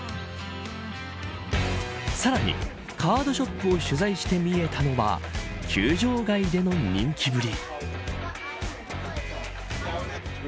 さらに、カードショップを取材して見えたのは球場外での人気ぶり。